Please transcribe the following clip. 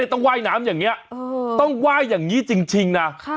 ต้องว่ายน้ำอย่างนี้ต้องไหว้อย่างนี้จริงนะ